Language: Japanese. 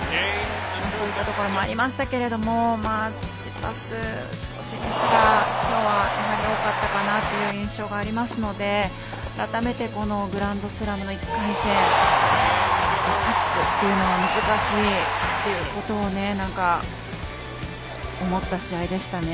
そういったところもありましたけれどもチチパス、少しですがきょうはミスが多かった印象がありますので改めて、グランドスラムの１回戦勝つというのは難しいということを思った試合でしたね。